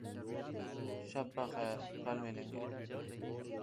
شب بخیر. کل ملیں گے